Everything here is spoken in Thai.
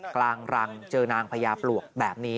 กลางรังเจอนางพญาปลวกแบบนี้